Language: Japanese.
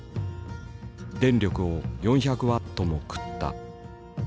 電力を４００ワットも食った。